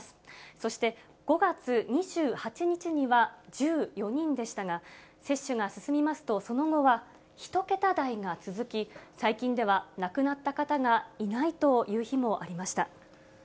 そして、５月２８日には１４人でしたが、接種が進みますと、その後は１桁台が続き、最近では亡くなった方がいないという日もありました。